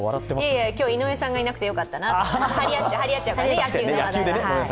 いえいえ、今日、井上さんがいなくてよかったなと、張り合っちゃうから、野球で。